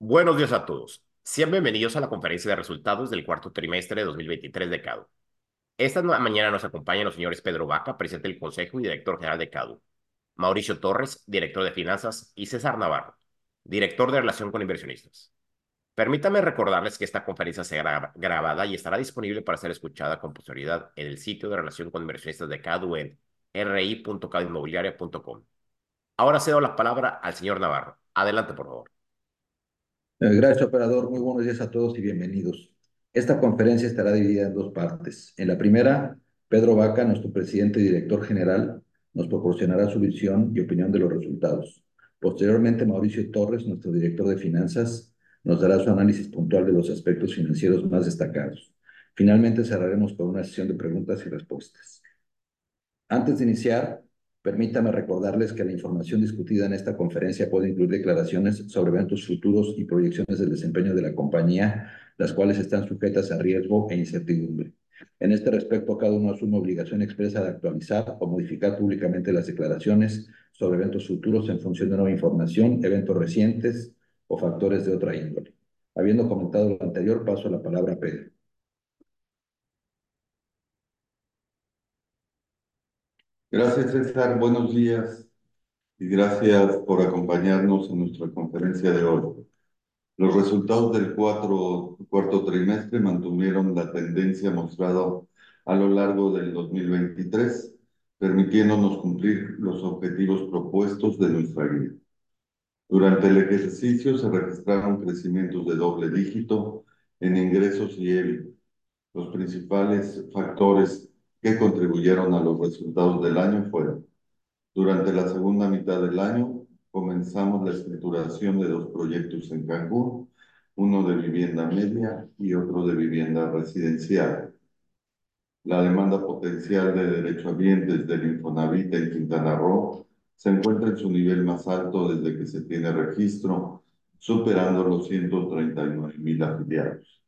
Buenos días a todos. Sean bienvenidos a la conferencia de resultados del cuarto trimestre de 2023 de Kado. Esta mañana nos acompañan los señores Pedro Vaca, Presidente del Consejo y Director General de Kado; Mauricio Torres, Director de Finanzas; y César Navarro, Director de Relación con Inversionistas. Permítanme recordarles que esta conferencia será grabada y estará disponible para ser escuchada con posterioridad en el sitio de relación con inversionistas de Kado, en ri.kadoinmobiliaria.com. Ahora cedo la palabra al señor Navarro. Adelante, por favor. Gracias, operador. Muy buenos días a todos y bienvenidos. Esta conferencia estará dividida en dos partes. En la primera, Pedro Vaca, nuestro Presidente y Director General, nos proporcionará su visión y opinión de los resultados. Posteriormente, Mauricio Torres, nuestro Director de Finanzas, nos dará su análisis puntual de los aspectos financieros más destacados. Finalmente, cerraremos con una sesión de preguntas y respuestas. Antes de iniciar, permítanme recordarles que la información discutida en esta conferencia puede incluir declaraciones sobre eventos futuros y proyecciones del desempeño de la compañía, las cuales están sujetas a riesgo e incertidumbre. En este respecto, Kado no asume obligación expresa de actualizar o modificar públicamente las declaraciones sobre eventos futuros en función de nueva información, eventos recientes o factores de otra índole. Habiendo comentado lo anterior, paso la palabra a Pedro. Gracias, César. Buenos días y gracias por acompañarnos en nuestra conferencia de hoy. Los resultados del cuarto trimestre mantuvieron la tendencia mostrada a lo largo del 2023, permitiéndonos cumplir los objetivos propuestos de nuestra guía. Durante el ejercicio, se registraron crecimientos de doble dígito en ingresos y EBITDA. Los principales factores que contribuyeron a los resultados del año fueron: durante la segunda mitad del año, comenzamos la estructuración de dos proyectos en Cancún, uno de vivienda media y otro de vivienda residencial. La demanda potencial de derechohabientes del INFONAVIT en Quintana Roo se encuentra en su nivel más alto desde que se tiene registro, superando los 139,000 afiliados,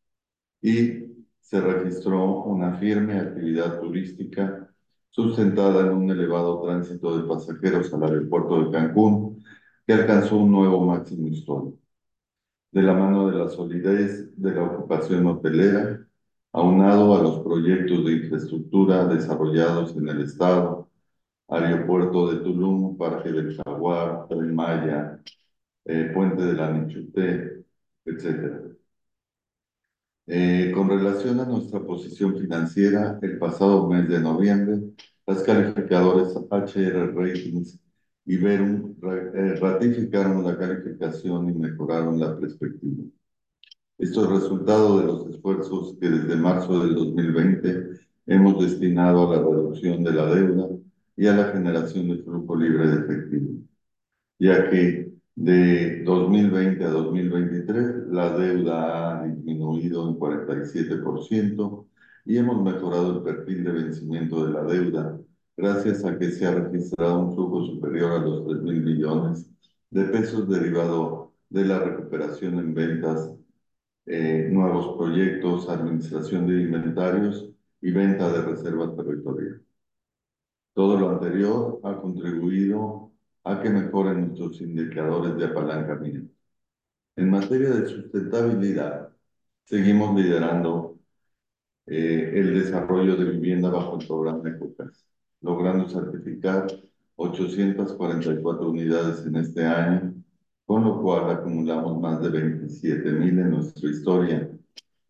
y se registró una firme actividad turística sustentada en un elevado tránsito de pasajeros al aeropuerto de Cancún, que alcanzó un nuevo máximo histórico. De la mano de la solidez de la ocupación hotelera, aunado a los proyectos de infraestructura desarrollados en el estado, aeropuerto de Tulum, parque del Xcaret, Tren Maya, puente de la Nichupté, etcétera. Con relación a nuestra posición financiera, el pasado mes de noviembre, las calificadoras HR Ratings y Verum ratificaron la calificación y mejoraron la perspectiva. Esto es resultado de los esfuerzos que desde marzo del 2020 hemos destinado a la reducción de la deuda y a la generación de flujo libre de efectivo, ya que de 2020 a 2023, la deuda ha disminuido un 47% y hemos mejorado el perfil de vencimiento de la deuda, gracias a que se ha registrado un flujo superior a los $3,000 millones de pesos, derivado de la recuperación en ventas, nuevos proyectos, administración de inventarios y venta de reservas territoriales. Todo lo anterior ha contribuido a que mejoren nuestros indicadores de apalancamiento. En materia de sustentabilidad, seguimos liderando el desarrollo de vivienda bajo el programa ECOCAS, logrando certificar 844 unidades en este año, con lo cual acumulamos más de 27,000 en nuestra historia.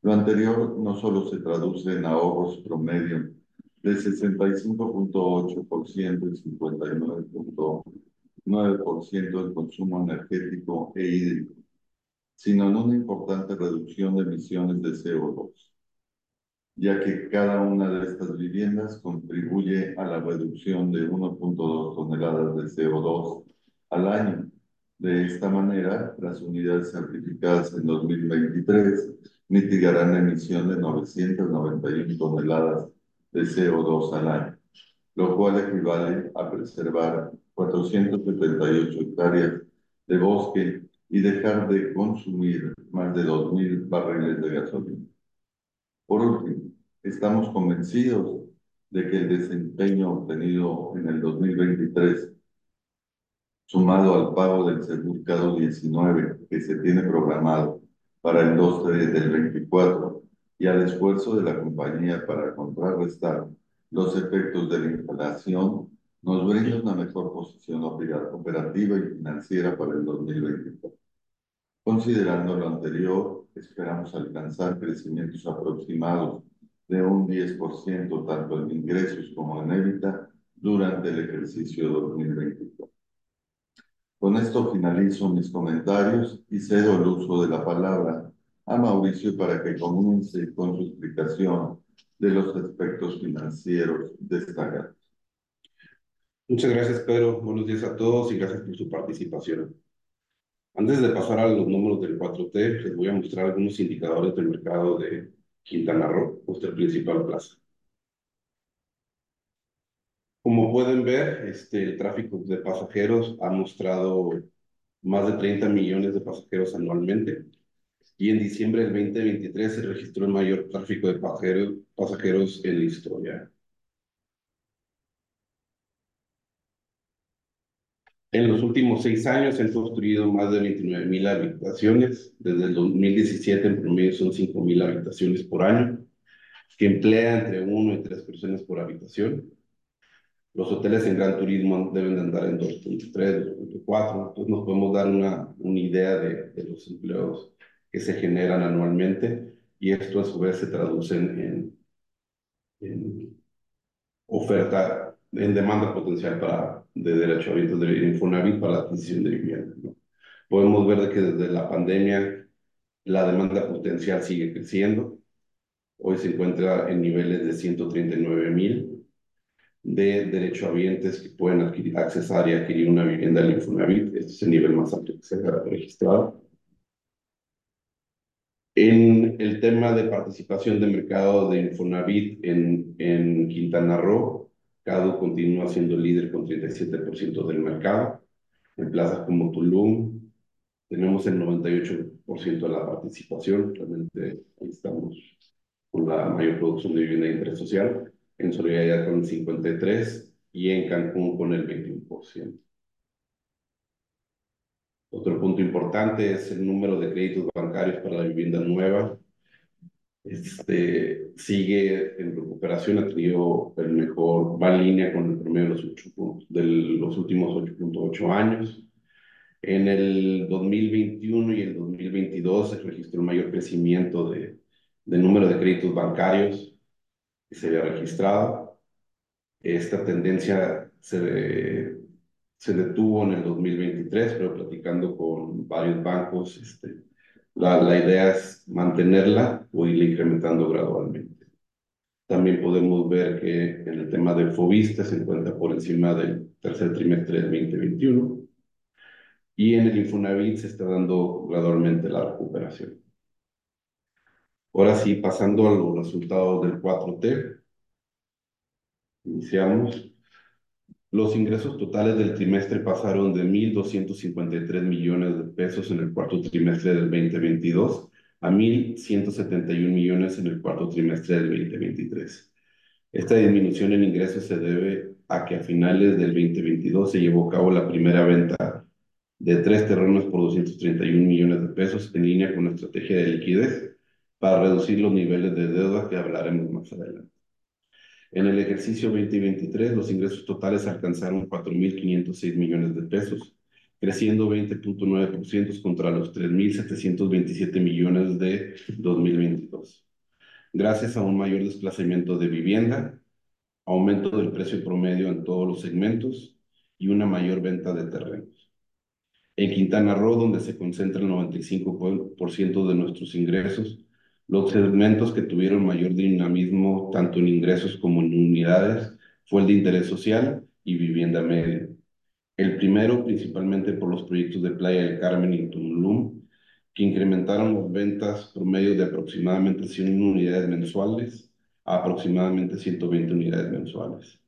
Lo anterior no solo se traduce en ahorros promedio de 65.8% y 59.9% del consumo energético e hídrico, sino en una importante reducción de emisiones de CO₂, ya que cada una de estas viviendas contribuye a la reducción de 1.2 toneladas de CO₂ al año. De esta manera, las unidades certificadas en 2023 mitigarán la emisión de 991 toneladas de CO₂ al año, lo cual equivale a preservar 478 hectáreas de bosque y dejar de consumir más de 2,000 barriles de gasolina. Por último, estamos convencidos de que el desempeño obtenido en 2023, sumado al pago del seguro COVID-19, que se tiene programado para el 2023 del 2024, y al esfuerzo de la compañía para contrarrestar los efectos de la inflación, nos brinda una mejor posición operativa y financiera para 2024. Considerando lo anterior, esperamos alcanzar crecimientos aproximados de 10%, tanto en ingresos como en EBITDA, durante el ejercicio 2024. Con esto finalizo mis comentarios y cedo el uso de la palabra a Mauricio, para que comience con su explicación de los aspectos financieros destacados. Muchas gracias, Pedro. Buenos días a todos y gracias por su participación. Antes de pasar a los números del 4T, les voy a mostrar algunos indicadores del mercado de Quintana Roo, nuestra principal plaza. Como pueden ver, el tráfico de pasajeros ha mostrado más de treinta millones de pasajeros anualmente, y en diciembre del 2023 se registró el mayor tráfico de pasajeros en la historia. En los últimos seis años se han construido más de veintinueve mil habitaciones. Desde el 2017, en promedio, son cinco mil habitaciones por año, que emplea entre una y tres personas por habitación. Los hoteles en gran turismo deben de andar en 2.3, 2.4. Nos podemos dar una idea de los empleos que se generan anualmente y esto, a su vez, se traduce en demanda potencial de derechohabientes del Infonavit para la adquisición de vivienda. Podemos ver que desde la pandemia la demanda potencial sigue creciendo. Hoy se encuentra en niveles de ciento treinta y nueve mil derechohabientes que pueden adquirir, accesar y adquirir una vivienda en Infonavit. Este es el nivel más alto que se ha registrado. En el tema de participación de mercado de Infonavit en Quintana Roo, continúa siendo líder con 37% del mercado. En plazas como Tulum tenemos el 98% de la participación. Realmente, ahí estamos con la mayor producción de vivienda de interés social, en Solidaridad con 53% y en Cancún con el 21%. Otro punto importante es el número de créditos bancarios para la vivienda nueva. Este sigue en recuperación, ha tenido el mejor va en línea con el promedio de los últimos 8.8 años. En el 2021 y el 2022 se registró el mayor crecimiento de número de créditos bancarios que se había registrado. Esta tendencia se detuvo en el 2023, pero platicando con varios bancos, la idea es mantenerla o irla incrementando gradualmente. También podemos ver que en el tema de FOVISSSTE se encuentra por encima del tercer trimestre de 2021 y en el Infonavit se está dando gradualmente la recuperación. Ahora sí, pasando a los resultados del 4T, iniciamos. Los ingresos totales del trimestre pasaron de $1,253 millones de pesos en el cuarto trimestre del 2022 a $1,171 millones en el cuarto trimestre del 2023. Esta disminución en ingresos se debe a que a finales del 2022 se llevó a cabo la primera venta de tres terrenos por $231 millones de pesos, en línea con la estrategia de liquidez, para reducir los niveles de deuda, que hablaremos más adelante. En el ejercicio 2023, los ingresos totales alcanzaron $4,506 millones de pesos, creciendo 20.9% contra los $3,727 millones de 2022, gracias a un mayor desplazamiento de vivienda, aumento del precio promedio en todos los segmentos y una mayor venta de terrenos. En Quintana Roo, donde se concentran 95% de nuestros ingresos, los segmentos que tuvieron mayor dinamismo, tanto en ingresos como en unidades, fue el de interés social y vivienda media. El primero, principalmente por los proyectos de Playa del Carmen y Tulum, que incrementaron las ventas promedio de aproximadamente 100 unidades mensuales a aproximadamente 120 unidades mensuales.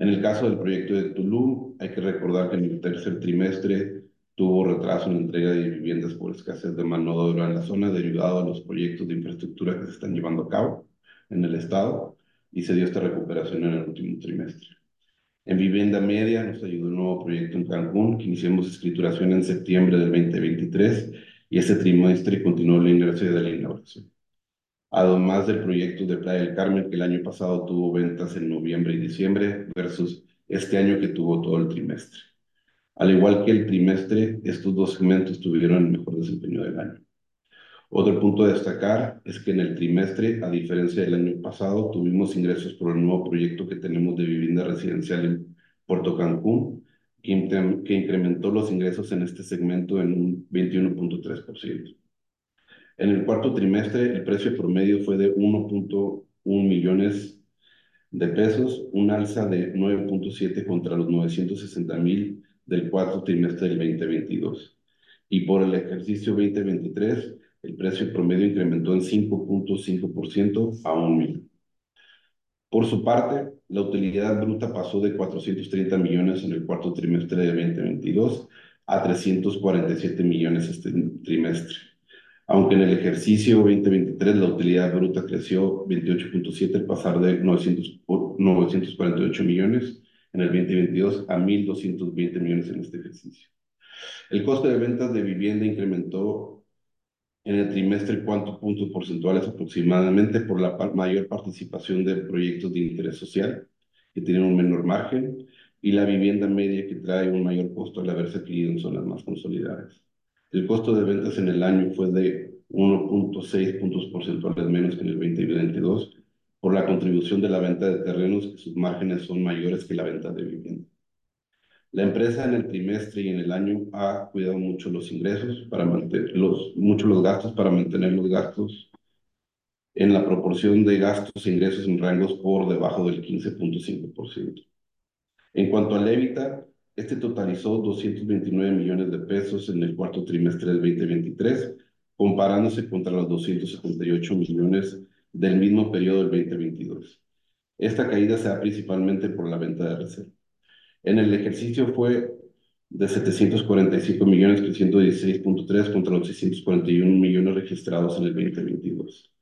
En el caso del proyecto de Tulum, hay que recordar que en el tercer trimestre tuvo retraso en entrega de viviendas por escasez de mano de obra en la zona, derivado de los proyectos de infraestructura que se están llevando a cabo en el estado, y se dio esta recuperación en el último trimestre. En vivienda media, nos ayudó un nuevo proyecto en Cancún, que iniciamos escrituración en septiembre de 2023, y este trimestre continuó el ingreso de la inauguración. Además del proyecto de Playa del Carmen, que el año pasado tuvo ventas en noviembre y diciembre, versus este año, que tuvo todo el trimestre. Al igual que el trimestre, estos dos segmentos tuvieron el mejor desempeño del año. Otro punto a destacar es que en el trimestre, a diferencia del año pasado, tuvimos ingresos por el nuevo proyecto que tenemos de vivienda residencial en Puerto Cancún, que incrementó los ingresos en este segmento en un 21.3%. En el cuarto trimestre, el precio promedio fue de $1.1 millones de pesos, un alza de 9.7% contra los $960,000 del cuarto trimestre del 2022. Por el ejercicio 2023, el precio promedio incrementó en 5.5% a $1,000,000. Por su parte, la utilidad bruta pasó de $430 millones en el cuarto trimestre de 2022 a $347 millones este trimestre. Aunque en el ejercicio 2023 la utilidad bruta creció 28.7%, al pasar de $948 millones en el 2022 a $1,220 millones en este ejercicio. El costo de ventas de vivienda incrementó en el trimestre cuatro puntos porcentuales, aproximadamente, por la mayor participación de proyectos de interés social, que tienen un menor margen, y la vivienda media, que trae un mayor costo al haberse adquirido en zonas más consolidadas. El costo de ventas en el año fue de 1.6 puntos porcentuales menos que en el 2022, por la contribución de la venta de terrenos, que sus márgenes son mayores que la venta de vivienda. La empresa, en el trimestre y en el año, ha cuidado mucho los gastos para mantener los gastos en la proporción de gastos e ingresos en rangos por debajo del 15.5%. En cuanto al EBITDA, este totalizó $229 millones de pesos en el cuarto trimestre del 2023, comparándose contra los $278 millones. del mismo periodo del 2022. Esta caída se da principalmente por la venta de RC. En el ejercicio fue de $745,316.3 millones, contra los $641 millones registrados en el 2022.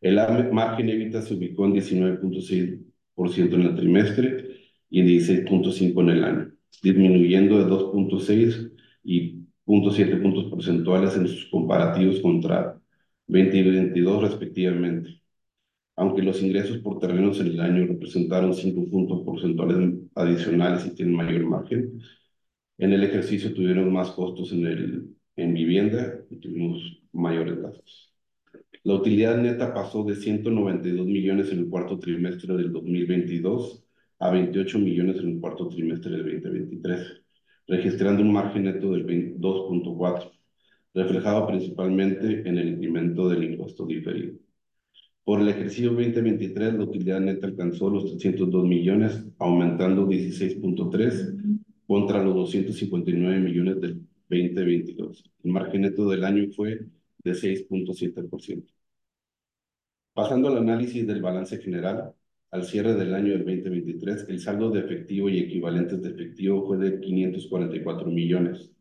El margen EBITDA se ubicó en 19.6% en el trimestre y en 16.5% en el año, disminuyendo de 2.6 y 0.7 puntos porcentuales en sus comparativos contra 2020 y 2022, respectivamente. Aunque los ingresos por terrenos en el año representaron 5 puntos porcentuales adicionales y tienen mayor margen, en el ejercicio tuvieron más costos en vivienda y tuvimos mayores gastos. La utilidad neta pasó de $192 millones en el cuarto trimestre del 2022 a $28 millones en el cuarto trimestre de 2023, registrando un margen neto del 2.4%, reflejado principalmente en el incremento del impuesto diferido. Por el ejercicio 2023, la utilidad neta alcanzó los $302 millones, aumentando 16.3% contra los $259 millones del 2022. El margen neto del año fue de 6.7%. Pasando al análisis del balance general, al cierre del año 2023, el saldo de efectivo y equivalentes de efectivo fue de $544 millones,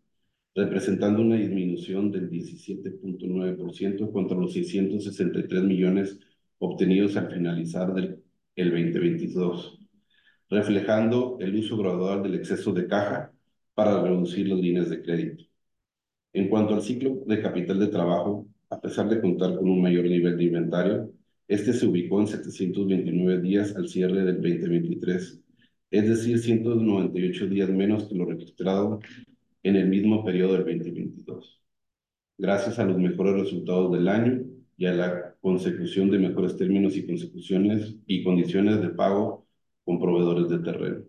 representando una disminución del 17.9% contra los $663 millones obtenidos al finalizar el 2022, reflejando el uso gradual del exceso de caja para reducir las líneas de crédito. En cuanto al ciclo de capital de trabajo, a pesar de contar con un mayor nivel de inventario, este se ubicó en 729 días al cierre del 2023, es decir, 198 días menos que lo registrado en el mismo periodo del 2022. Gracias a los mejores resultados del año y a la consecución de mejores términos y condiciones de pago con proveedores de terreno.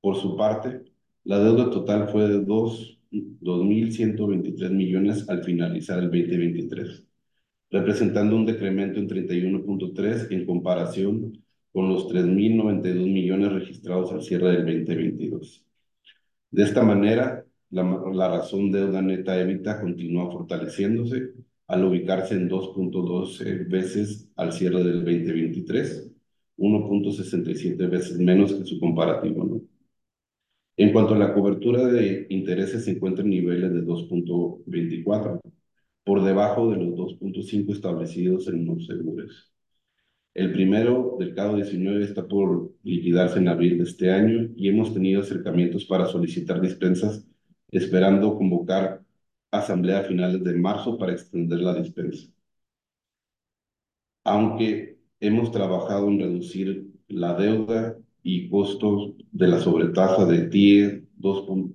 Por su parte, la deuda total fue de $2,123 millones al finalizar el 2023, representando un decremento de 31.3% en comparación con los $3,092 millones registrados al cierre del 2022. De esta manera, la razón deuda neta/EBITDA continúa fortaleciéndose al ubicarse en 2.2 veces al cierre del 2023, 1.67 veces menos que su comparativo. En cuanto a la cobertura de intereses, se encuentra en niveles de 2.24, por debajo de los 2.5 establecidos en los seguros. El primero, del cabo del diecinueve, está por liquidarse en abril de este año y hemos tenido acercamientos para solicitar dispensas, esperando convocar a Asamblea a finales de marzo para extender la dispensa. Aunque hemos trabajado en reducir la deuda y costos de la sobretasa de TIIE,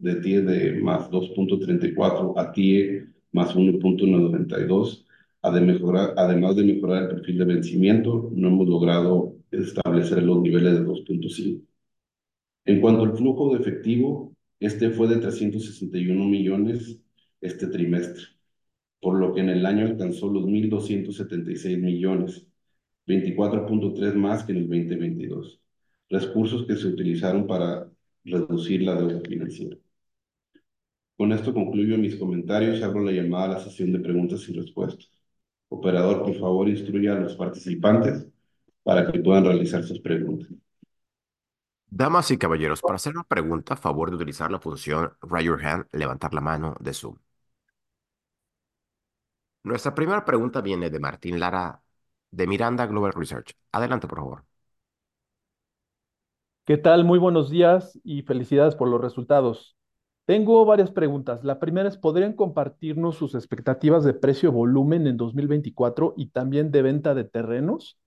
de TIIE de más 2.34 a TIIE más 1.192, además de mejorar el perfil de vencimiento, no hemos logrado establecer los niveles de 2.5. En cuanto al flujo de efectivo, este fue de $361 millones este trimestre, por lo que en el año alcanzó los $1,276 millones, 24.3% más que en el 2022, recursos que se utilizaron para reducir la deuda financiera. Con esto concluyo mis comentarios y abro la llamada a la sesión de preguntas y respuestas. Operador, por favor, instruya a los participantes para que puedan realizar sus preguntas. Damas y caballeros, para hacer una pregunta, favor de utilizar la función Raise Your Hand, levantar la mano, de Zoom. Nuestra primera pregunta viene de Martín Lara, de Miranda Global Research. Adelante, por favor. ¿Qué tal? Muy buenos días y felicidades por los resultados. Tengo varias preguntas. La primera es: ¿podrían compartirnos sus expectativas de precio-volumen en 2024 y también de venta de terrenos?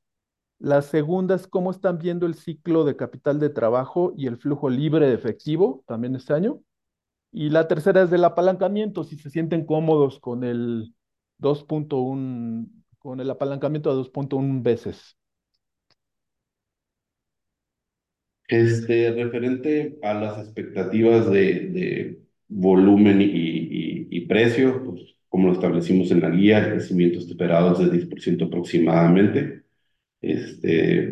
La segunda es: ¿cómo están viendo el ciclo de capital de trabajo y el flujo libre de efectivo, también este año? Y la tercera es del apalancamiento, si se sienten cómodos con el 2.1, con el apalancamiento de 2.1 veces. Referente a las expectativas de volumen y precio, pues como lo establecimos en la guía, el crecimiento esperado es de 10% aproximadamente.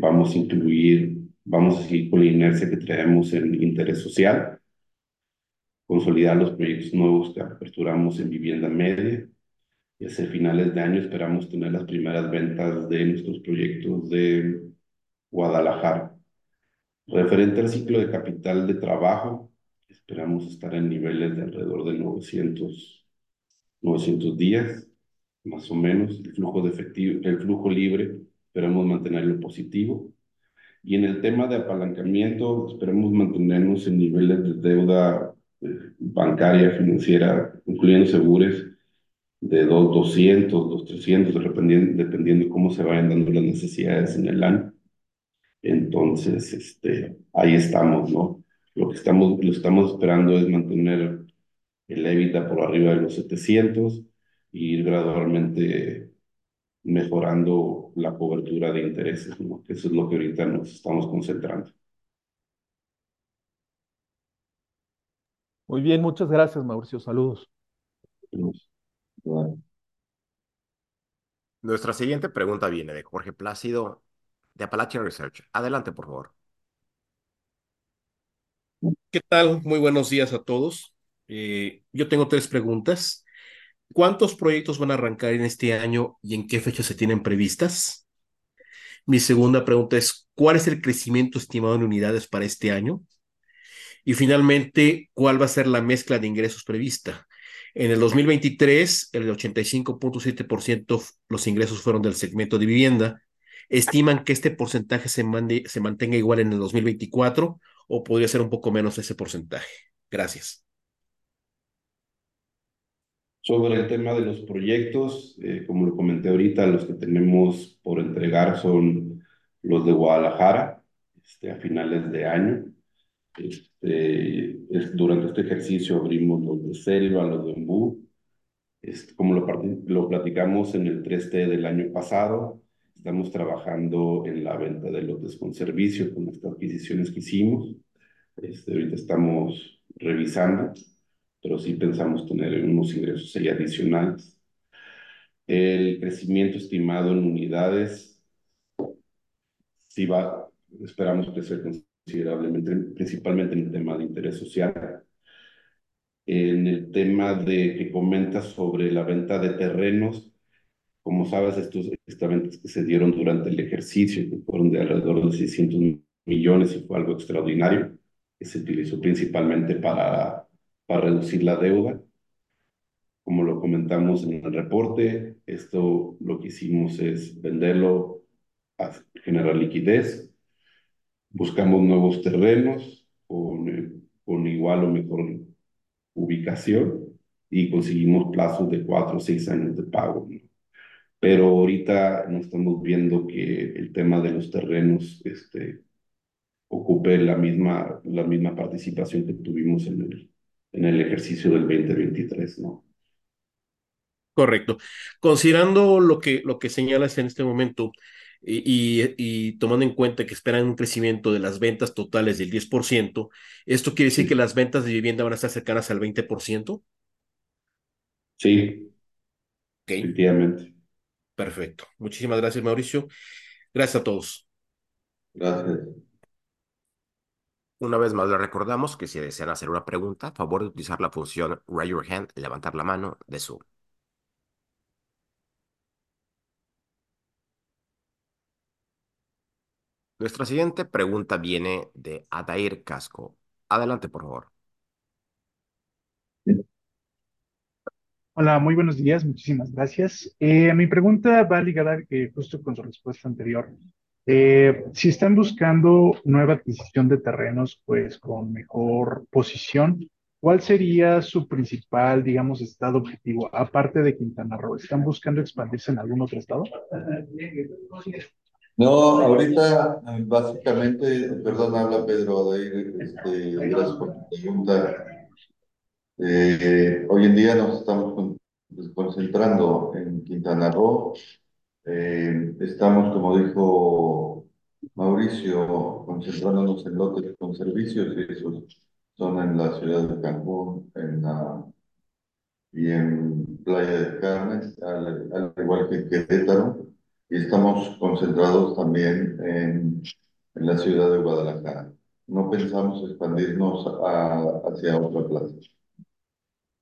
Vamos a incluir, vamos a seguir con la inercia que traemos en interés social, consolidar los proyectos nuevos que aperturamos en vivienda media y hacia finales de año esperamos tener las primeras ventas de nuestros proyectos de Guadalajara. Referente al ciclo de capital de trabajo, esperamos estar en niveles de alrededor de 900 días, más o menos. El flujo de efectivo, el flujo libre, esperamos mantenerlo en positivo. En el tema de apalancamiento, esperamos mantenernos en niveles de deuda bancaria financiera, incluyendo seguros, de $200-300 millones, dependiendo de cómo se vayan dando las necesidades en el año. Entonces ahí estamos, ¿no? Lo que estamos esperando es mantener el EBITDA por arriba de los setecientos y ir gradualmente mejorando la cobertura de intereses, ¿no? Eso es lo que ahorita nos estamos concentrando. Muy bien. Muchas gracias, Mauricio. Saludos. Saludos. Nuestra siguiente pregunta viene de Jorge Plácido, de Appalachia Research. Adelante, por favor. ¿Qué tal? Muy buenos días a todos. Yo tengo tres preguntas: ¿Cuántos proyectos van a arrancar en este año y en qué fecha se tienen previstas? Mi segunda pregunta es: ¿cuál es el crecimiento estimado en unidades para este año? Y finalmente, ¿cuál va a ser la mezcla de ingresos prevista? En el 2023, el 85.7%, los ingresos fueron del segmento de vivienda. ¿Estiman que este porcentaje se mantenga igual en el 2024 o podría ser un poco menos ese porcentaje? Gracias. Sobre el tema de los proyectos, como lo comenté ahorita, los que tenemos por entregar son los de Guadalajara a finales de año. Durante este ejercicio abrimos los de Selva, los de Embú. Es como lo platicamos en el tres T del año pasado, estamos trabajando en la venta de lotes con servicios, con estas adquisiciones que hicimos. Ahorita estamos revisando, pero sí pensamos tener unos ingresos adicionales. El crecimiento estimado en unidades sí va, esperamos crecer considerablemente, principalmente en el tema de interés social. En el tema que comentas sobre la venta de terrenos, como sabes, estas ventas que se dieron durante el ejercicio fueron de alrededor de $600 millones, y fue algo extraordinario que se utilizó principalmente para reducir la deuda. Como lo comentamos en el reporte, esto lo que hicimos es venderlo para generar liquidez. Buscamos nuevos terrenos con igual o mejor ubicación y conseguimos plazos de cuatro a seis años de pago. Pero ahorita no estamos viendo que el tema de los terrenos ocupe la misma participación que tuvimos en el ejercicio del 2023, ¿no? Correcto. Considerando lo que señalas en este momento, y tomando en cuenta que esperan un crecimiento de las ventas totales del 10%, ¿esto quiere decir que las ventas de vivienda van a estar cercanas al 20%? Sí. Okay. Definitivamente. Perfecto. Muchísimas gracias, Mauricio. Gracias a todos. Gracias. Una vez más, les recordamos que si desean hacer una pregunta, favor de utilizar la función Raise your hand, levantar la mano, de Zoom. Nuestra siguiente pregunta viene de Adair Casco. Adelante, por favor. Hola, muy buenos días. Muchísimas gracias. Mi pregunta va ligada justo con su respuesta anterior. Si están buscando nueva adquisición de terrenos, pues con mejor posición, ¿cuál sería su principal, digamos, estado objetivo, aparte de Quintana Roo? ¿Están buscando expandirse en algún otro estado? No, ahorita básicamente... Perdón, habla Pedro, Adair, gracias por tu pregunta. Hoy en día nos estamos concentrando en Quintana Roo. Estamos, como dijo Mauricio, concentrándonos en lotes con servicios, que son en la ciudad de Cancún y en Playa del Carmen, al igual que en Querétaro, y estamos concentrados también en la ciudad de Guadalajara. No pensamos expandirnos hacia otra plaza.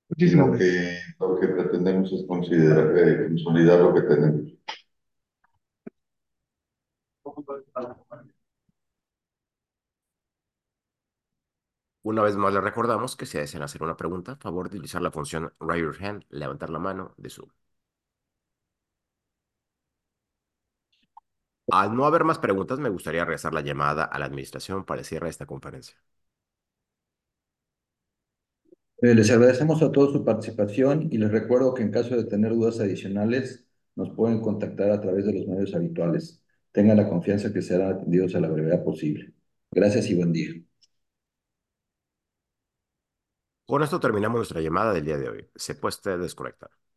Muchísimas Lo que pretendemos es considerar, consolidar lo que tenemos. Una vez más, les recordamos que si desean hacer una pregunta, favor de utilizar la función Raise your hand, levantar la mano, de Zoom. Al no haber más preguntas, me gustaría regresar la llamada a la administración para el cierre de esta conferencia. Les agradecemos a todos su participación y les recuerdo que en caso de tener dudas adicionales, nos pueden contactar a través de los medios habituales. Tengan la confianza de que serán atendidos a la brevedad posible. Gracias y buen día. Con esto terminamos nuestra llamada del día de hoy. Se pueden desconectar.